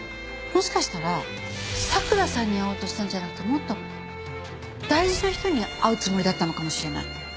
もしかしたら咲良さんに会おうとしたんじゃなくてもっと大事な人に会うつもりだったのかもしれない。